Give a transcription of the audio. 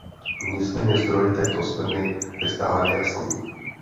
Nicméně zdroj této skvrny je stále nejasný.